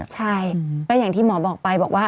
ใช่ก็อย่างที่หมอบอกไปบอกว่า